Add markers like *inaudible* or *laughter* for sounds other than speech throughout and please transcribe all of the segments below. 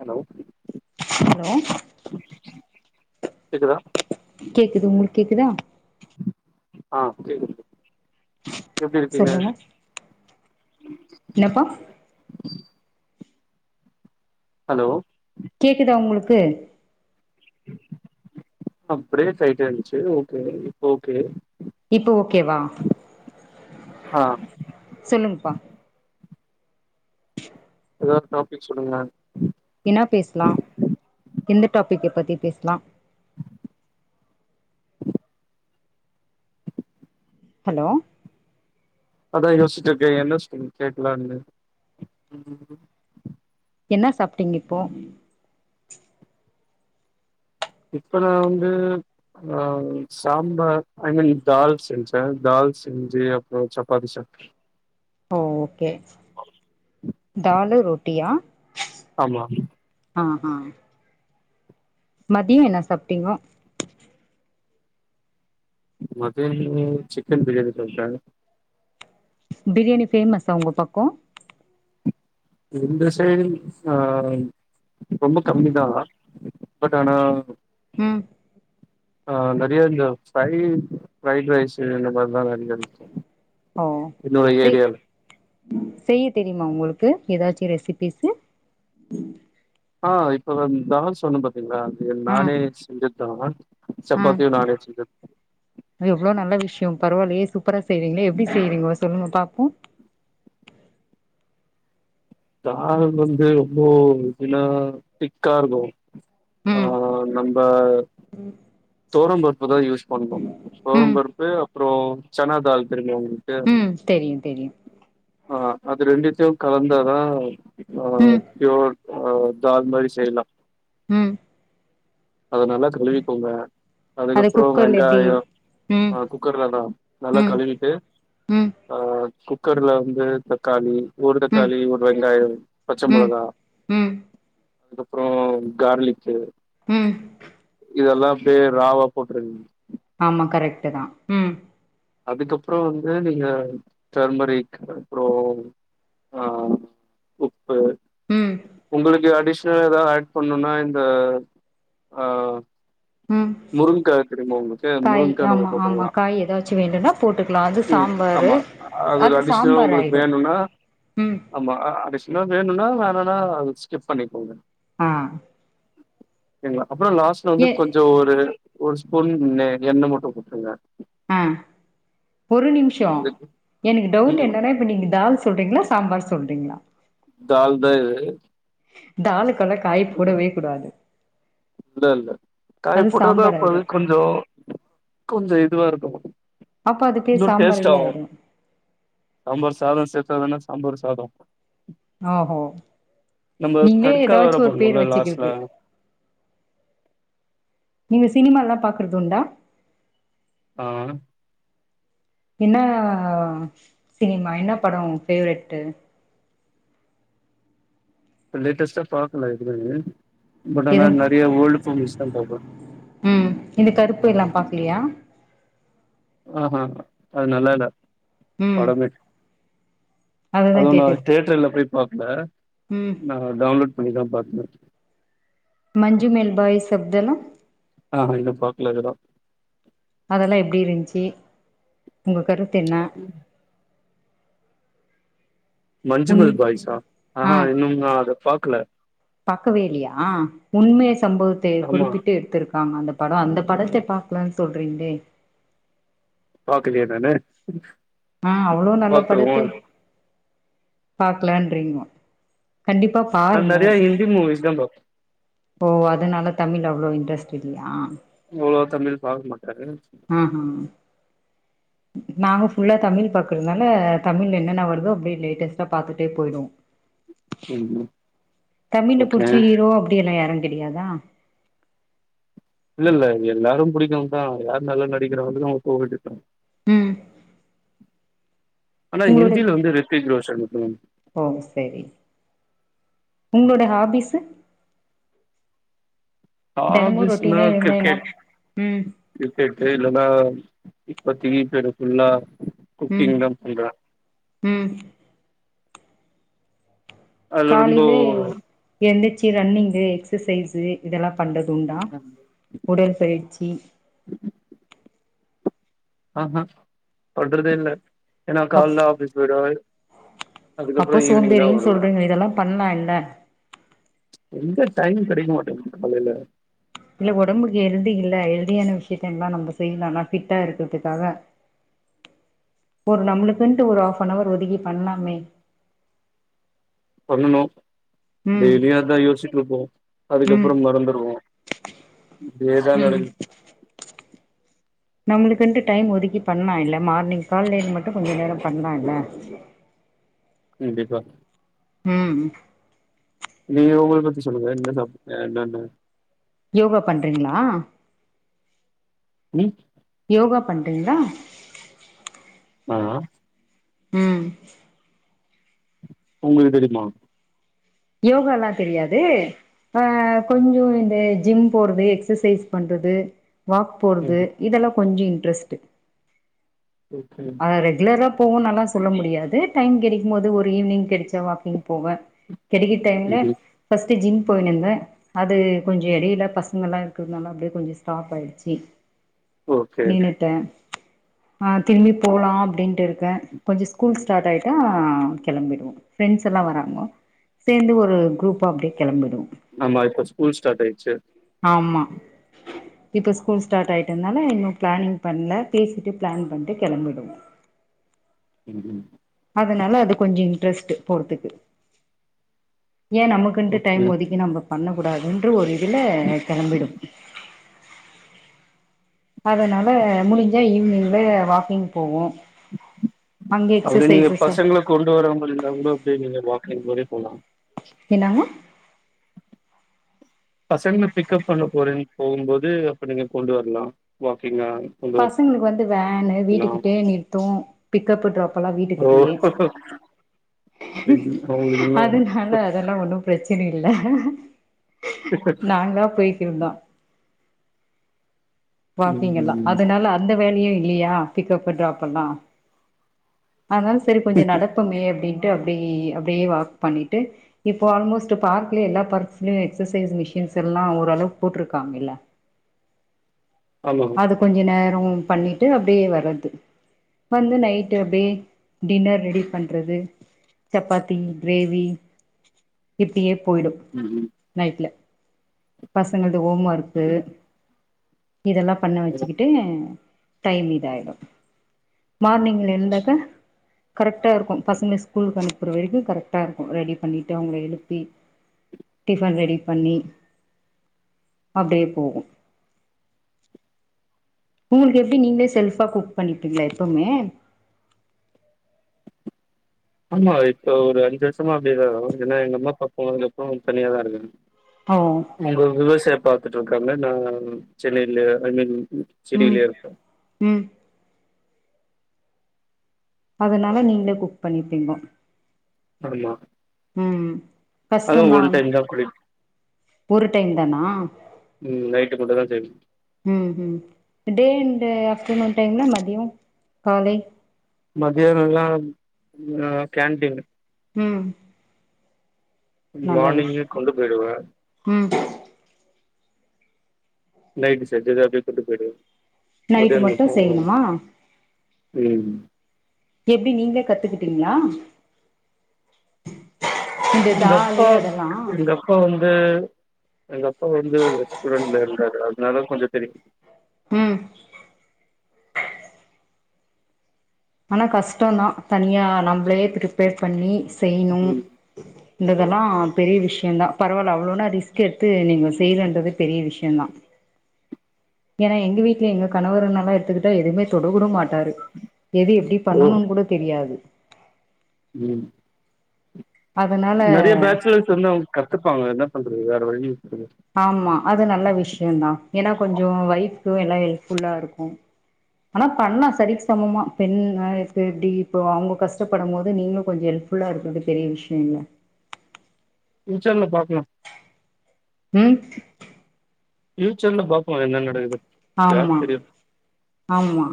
Hello hello கேக்குதா கேக்குது உங்களுக் கேக்குதா ஆ கேக்குது எப்டி இருக்கீங்க சொல்லுங்க என்னப்பா ஹலோ கேக்குதா உங்களுக்கு ஆ ப்ரேஸ் ஆய்ட்டே இருந்துச்சி ஓகே இப்ப ஓகே இப்ப ஓகேவா ஆ சொல்லுங்ப்பா எதாவ் டாப்பிக் சொல்லுங்க என்னா பேசலா எந்த டாப்பிக்க பத்தி பேசலா ஹலோ அதா யோசிட்டு இருக்கே என்ன ஸ் கேக்கலான்னு என்ன சாப்ட்டீங்க இப்போ இப்ப நா வந்து நா சாம்பார் ஐ மீன் தால் செஞ்சே தால் செஞ்சி அப்றோ சப்பாத்தி சாப்ட்டே ஓகே தாலு ரொட்டியா ஆமா ஆ ஆ மதியோ என்ன சாப்ட்டிங்கோ மதியான் சிக்கன் பிரியானி சாப்ட்ட பிரியாணி ஃபேமஸா உங்க பக்கோ இந்த சைடு ஆ ரொம்ப கம்மி தா பட் ஆனா ம் *inaudible* ஆ நெறய இந்த ஃபை ஃப்ரைட் ரைஸ்சு இந்த மாரி தா இங்க இருக்கு ஓ என்னோட செய் ஏரியால செய்ய தெரியுமா உங்களுக்கு ஏதாச்சு ரெசிபிஸ்சு ஆ இப்ப தா தால் சொன்ன பாத்தீங்களா அது ஆ நானே செஞ்ச தருவன் சப்பாத்தியு நானே செஞ்சது அ எவ்ளோ நல்ல விஷயோ பரவால்லயே சூப்பரா செய்றிங்களே எப்டி செய்றிங்க சொல்லுங்க பாப்போ தா வந்து ரொம்ப இதன திக்காருக்கோ ஆ நம் ப ம் தோரம் பருப்பு தா யூஸ் பண்ணு தோரம் ம் பருப்பு அப்புறோ சனா தால் தெரியுமா உங்களுக்கு ம் தெரியு தெரியு ஆ அது ரெண்டுத்தையு கலந்தாதா அ ம் பியூர் அ தால் மாரி செய்லா ம் அத நல்லா கழுவிக்கோங்க அது அதுக்கப்புறோ குக்கர்ல எப்டி வெங்காயோ ம் ஆ குக்கர்லதா நல்லா ம் கழுவிட்டு ம் ஆ குக்கர்ல வந்து தக்காளி ஒரு ம் தக்காளி ஒரு வெங்காயோ பச்ச ம் மொளகா ம் அதுக்கப்றோ கார்லிக்கு ம் இதெல்லா அப்டியே ராவா போட்ருங்க ஆமா கரெக்ட் தா ம் அதுக்கப்புறோ வந்து நீங்க தர்மரிக் அப்றோ ஆ உப்பு ம் உங்களுக்கு அடிஷ்னல் ஏதாது அட் பண்ணுனா இந்த அ ம் முருங்கா தெரியுமா உங்களு காய் ஆமா ஆமா காய் ஏதாச்சு வேண்டுனா போட்டுக்லா அது ம் சாம்பாரு ஆமா அது அடிஷ்னலா சாம்பார் உங்களுக்கு ஆயிடு வேணுனா ம் ஆமா அடிஸ்னா வேணுனா வேணானா அத ஸ்கிப் பண்ணிக்கோங்க ஆ ங்களா அப்புறோ லாஸ்ட்ல வந்து ஏ கொஞ்சோ ஒ ரு ஒரு ஸ்பூன் எண்ண மட்டு போட்ருங்க ஆ ஒரு நிமிஷோ அதுக்கு எனக்கு டவுட் ம் என்னன்னா இப்போ நீங்க தால் சொல்றீங்ளா சாம்பார் சொல்றீங்ளா தால் தா இது தாலுக்கலா காய் போடவே கூடாது இல்ல இல்ல காய் அது போட்டாதா சாம்பார் இப்பது ஆயிடு கொஞ்சோ கொஞ்சோ இதுவாருக்கோ அப்ப அது பேர் இன்னு டேஸ்ட் சாம்பல்ல ஆவோ ஆயிடு சாம்பார் சாதோ சேத்ததுன்னா சாம்பார் சாதோ ஓகோ நம்ம நீங்களே தட்கா வேற ஏதாச்சு ஒரு பேர் பண்ணுவோல லாஸ்ட்ல வச்சுக்கிறது நீங்க சினிமால பாக்குறது உண்டா ஆ என்னா சினிமா என்ன படோ உங் ஃபேவரட்டு் ப லேட்டஸ்ட்டா பாக்கல இது பட் ஆனா எது நறைய ஓல்டு ஃப்ளிம்ஸ்தா பாப்பே ம் இந்த கருப்பு எல்லா பாக்கலியா ஆஹ ஆ அது நல்லா இல்ல ம் படம்மே அததா அதுவு நா கேட்டு தியேட்டர்ல போய் பாக்கல ம் நா டவுன்லோட் பண்ணிதா பாத்தே மஞ்சு மேன் பாய்ஸ் சப்தல ஆஹ இன்னு பாக்கல இப்பதா அதெல்லா எப்படிருந்ச்சு உங்க கருத்து என்ன உன் மஞ்சுமெள் பாய்ஸா ஆ ஆஹா இன்னு நா அத பாக்கல பாக்கவே இல்லயா உண்மை சம்பவத்த ஆமா குறிப்பிட்டு எடுத்திருக்காங்க அந்த படோ அந்த படத்த பாக்கலன் சொல்றீங்களே பக்கலேயே நானு ம் அவ்வளோ நல்ல பாத்துருவோ படத்த பாக்கலன்ரிங்கோ கண்டிப்பா நா பாருங்க நெறைய ஹிந்தி மூவிஸ் தா பாப்பே ஓ அதனால தமிழ் அவ்வளவு இன்ட்ரெஸ்ட் இல்லயா அவ்ளோ தமிழ் பாக்கமாட்டாரு ஆஹா நாங்க ஃபுல்லா தமிழ் பாக்குறனால தமிழ் என்னன்ன வருதோ அப்டியே லேட்ட பாத்துட்டே போயிடு ம் தமிழ்ல ஓகே புடிச்ச ஹீரோ அப்டி எல்லா யாரு தெரியாதா இல்ல இல்ல எல்லாரு புடிக்குந்தா யார் நல்ல நடிக்கிறங்களுக்கு போ வேண்டியத்தா ம் ஆனா உங்களோட ஹந்தியில வந்து ரித்திக் ரோஷன் ஓ சேரி உங்களோட ஹாபிஸ்சு தெனமு ஆபிஸ்னா ரொட்டீனா எழுந்தா என்ன கிரிக்கெட் ம் கிரிக்கெட்டு இல்லனா இப்பத்தி பேருபுல்லா ம் குக்கிங் தா பண்றே ம் அதுல ரொம்போ காலையில எந்திச்சி ரன்னிங்கு எக்ஸசைஸ்சு இதல்லா பண்றதுண்டா உடற்பயிற்சி ஆஹ்ஹா பண்றதே இல்ல ஏன்னா அப் கால்ல ஆபீஸ் போய்டுவே அப்போ சோம்பேறின் சொல்றீங்க இதெல்லா பண்ணா என்ன எங்க டைம் கிடைக்க மாட்டேங்குது காலையில இல்ல ஒடம்புக்கு ஹெல்தி இல்ல ஹெல்தியான விஷ்யத்த எல்லா நம்ப செய்யலா ஆனா ஃபிட்டா இருக்கிறதுக்காக ஒரு நம்ளுக்குன்ட்டு ஒரு ஹாஃப்பனவர் ஒதுக்கி பண்லாம்மே பண்ணனு ம் டெய்லியு அதா யோசிட்ருப்போ ம் அதுக்கப்புறம் மறந்துருவோ இப்டியேதா ம் நடக்குது நம்மளுக்குன்ட்டு டைம் ஒதுக்கி பண்ணால்ல மார்னிங் கால்ல மட்டு கொஞ்ச நேரோ பண்லா இல்ல கண்டிப்பா ம் நீங்க உங்கல பத்தி சொல்லுங்க என்ன சாப் க என்னன்ன யோகா பண்றீங்களா ம் யோகா பண்றீங்ளா ஆ ம் உங்குளுக்கு தெரியுமா யோகால்லா தெரியாது வ கொஞ்ச இந்த ஜிம் போறது எக்ஸசைஸ் பண்றது வாக் ம். போறது இதெல்லா கொஞ்ச இன்ட்ரெஸ்ட்டு ஓகே அத ரெகுலரா போவன்னல்லா சொல்ல முடியாது டைம் கெடைக்கும்போது ஒரு ஈவினிங் கெடச்சா வாக்கிங் போவே கெடைக்கிற டைம்ல ம்ஹ்ம். பஸ்ட்டு ஜிம் போயினுந்தே அது கொஞ்ச எடையில பசங்க எல்லா இருக்கிறதுனால அப்டியே கொஞ்ச ஸ்டாப் ஆயிடுச்சி ஓகே. நின்னுட்ட அ திரும்பி போலா அப்டின்ட்டு இருக்க கொஞ்சோ ஸ்கூல்ஸ் ஸ்டார்ட் ஆயிட்டா கிளம்பிடுவோ ஃப்ரெண்ட்ஸ் எல்லா வராங்க சேந்து ஒரு குரூப்பா அப்டியே கெளம்பிடு ஆமா இப்ப ஸ்கூல் ஸ்டார்ட் ஆயிச்சி ஆமா இப்ப ஸ்கூல் ஸ்டார்ட் ஆயிட்டதுனால இன்னு பிளானிங் பண்ல பேசிட்டு பிளான் பண்ட்டு கெளம்பிடுவோ ம் ம் அதனால அது கொஞ்சோ இன்ட்ரெஸ்ட்டு போறதுக்கு ஏ நமக்குன்ட்டு டைம் ஓகே. ஒதுக்கி நம்ம பண்ண கூடாதுன்ற ஒரு இதுல கெளம்பிடுவ அதனால முடிஞ்சா ஈவ்னிங்ல வாக்கிங் போவோ அங்க அப்டி நீங்க எக்ஸசைசஸ் பசங்களக் கொண்டு வர மாரி இருந்தா கூட அப்டியே நீங்க வாக்கிங் மாரி போலா என்னாங்க பசங்கள பிக்கப் பண்ண போறேன்னு போகும்போது அப்ப நீங்க கொண்டு வர்லா வாக்கிங்கா கொண்டு பசங்களுக்கு வந்து வேனு வரலாம். வீட்டுக்கிட்டே நிறுத்தோ பிக்கப்பு ட்ராப்பு எல்லா ஓ! வீட்டுக்கிட்டயே அவங்களுக்கு இன்னும் அதனால அதெல்லா ஒன்னோ பிரச்சன இல்ல நாங்களா போயிக்கிற்தா வாக்கிங்கல்லா ம்ஹ்ம். அதனால அந்த வேலையு இல்லையா பிக்கப்பு ட்ராப்பல்லா அதனால சரி கொஞ்சோ நடப்போமே அப்டின்ட்டு அப்டி அப்டியே வாக் பண்ணிட்டு இப்போ ஆல்மோஸ்ட் பார்க்லே எல்லா பார்க்ஸ்லயு எக்ஸசைஸ் மிஷின்ஸ் எல்லா ஓரளவு போட்டிருக்காங்க இல்ல ஆமா அத கொஞ்ச நேரோ பண்ணிட்டு அப்டியே வரது வந்து நைட்டு அப்டியே டின்னர் ரெடி பண்றது சப்பாத்தி கிரேவி இப்டியே போயிடு ம்ஹும் நைட்ல பசங்களீது ஹோம் ஒர்க்கு இதெல்லா பண்ண வெச்சிக்கிட்டு டைம் இதாயிரோ மார்னிங்ல எந்தாக்கா கரெக்டா இருக்கோ பசங்கள ஸ்கூலுக்கு அனுப்புற வரைக்கு கரெக்டா இருக்கோ ரெடி பண்ணிட்டு அவங்கள எழுப்பி டிஃபன் ரெடி பண்ணி அப்டியே போகோ உங்குளுக்கு எப்டி நீங்களே செல்ஃபா குக் பண்ணிப்பீங்ளா எப்பமே ஆமா இப்ப ஒரு அஞ்சு வருஷமா அப்டே தா ஏன்னா எங்க அம்மா அப்பா போனதுக்கு அப்றோ தனியா தா இருக்க ஓ அவுங்க விவசாய பாத்துட்ருக்காங்க நா சென்னையில ஐ மீன் ம் சிட்டியிலயே இருக்கேன். ம் அதனால நீங்ளே குக் பண்ணிப்பீங்கோ அப்படியா ம் அதுவு கஷ்டந்தா ஒன் டைம் தா குளிப் ஒரு டைம் தனா ம் நைட்டு மட்டு தா செய்வோ ம் ம் டே அண்டு ஆஃப்டர்நூன் டைம்ல மதியோ காலை மதியானோல்லா கேன்ட்டீன் ம் நல்ல மானிங்கே விஷயோ கொண்டு போயிடுவ ம் நைட்டு செஞ்சத அப்டியே கொண்டு போயிடுவ நைட்டு மதியானோ மட்டு செய்யணுமா ம் எப்டி நீங்ளே கத்துக்கிட்டீங்ளா எப்பா இந்த அப்பா வந்து எங்க அப்பா வந்து ரெஸ்டூடண்ல இருந்தாரு அதனால கொஞ்ச தெரியு ம் ஆனா கஷ்டோந்தா தனியா நம்மளே ப்ரிப்பேர் பண்ணி செய்ணு ம் இந்ததெல்லா பெரிய விஷ்யந்தா பரவால்ல அவ்ளோன்னா ரிஸ்க் எட்த்து நீங்க செய்றன்றது பெரிய விஷ்யந்தா ஏன்னா எங்க வீட்ல எங்க கணவர்னல்லா எட்துக்கிட்டா எதுவ்மே தொட கூட மாட்டாரு எது எப்டி ஓ பண்ணணுன் கூட தெரியாது ம் அதனால நெறைய பேச்சுலர்ஸ் வந்து அவங்க கத்துப்பாங்க என்ன பண்றது வேற வழி ஆமா அது நல்ல விஷ்யந்தா ஏன்னா கொஞ்ச வொய்ஃபுக்கு எல்லா ஹெல்ப்ஃபுல்லா இருக்கு ஆனா பண்லா சரிக் சமமா பெண் இப்படி இப்போ அவங்க கஷ்டப்படும்போது நீங்களு கொஞ்ச ஹெல் ஃபுல்லா இருக்றது பெரிய விஷ்யொ இல்ல பியூச்சர்ல பாக்லா ம் ப்யூச்சர்ல பாக்லா என்ன நடக்குதுன் ஆம்மா ஆம்மா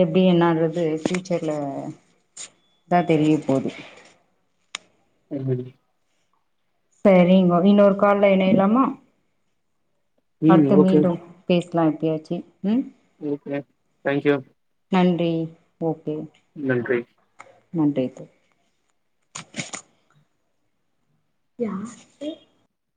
எப்டி என்னன்றது ஃபியூச்சர்ல தா தெரிய போது அது சரி சேரி இன்னொரு கால்ல எனயலாமா ம் அடுத்து ஓகே மீண்டும் பேஸ்லா எப்பயாச்சி ம் ஓகே தேங்க் யூ நன்றி ஓகே நன்றி நன்றித் அடியாத்தி